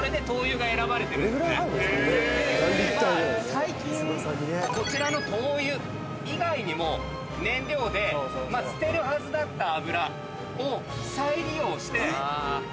最近こちらの灯油以外にも燃料で捨てるはずだった油を再利用して。